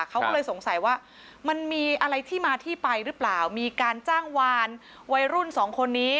เขาก็เลยสงสัยว่ามันมีอะไรที่มาที่ไปหรือเปล่ามีการจ้างวานวัยรุ่นสองคนนี้